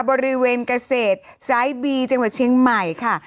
บริเวณเกษตรสายบีจังหวัดเชียงใหม่ค่ะ